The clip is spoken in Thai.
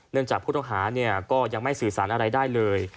จากผู้ต้องหาก็ยังไม่สื่อสารอะไรได้เลย